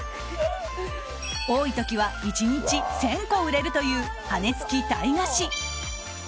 多い時は１日１０００個売れるという羽根つき鯛菓子。